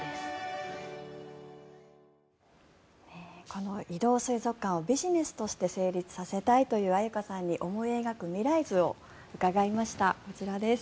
この移動水族館をビジネスとして成立させたいという愛柚香さんに思い描く未来図を伺いました。